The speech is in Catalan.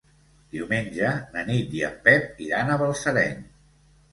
Diumenge na Nit i en Pep iran a Balsareny.